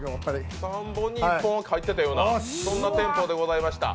３本に１本、入っていたようなそんなテンポでした。